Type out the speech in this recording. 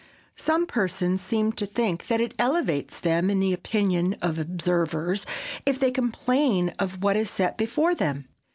Some persons seem to think that it elevates them in the opinion of observers if they complain of what is set before them.